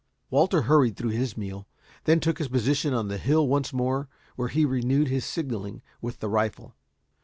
Walter hurried through his meal, then took his position on the hill once more, where he renewed his signaling with the rifle.